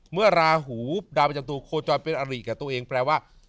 ราหูดาวประจำตัวโคจรเป็นอริกับตัวเองแปลว่า